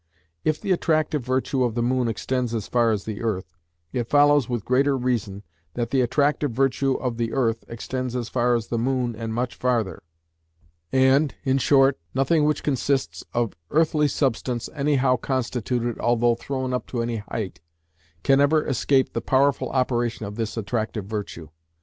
If the attractive virtue of the moon extends as far as the earth, it follows with greater reason that the attractive virtue of the earth extends as far as the moon and much farther; and, in short, nothing which consists of earthly substance anyhow constituted although thrown up to any height, can ever escape the powerful operation of this attractive virtue.